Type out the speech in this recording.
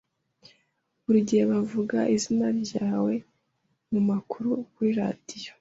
Buri gihe bavuga izina ryawe mumakuru kuri radio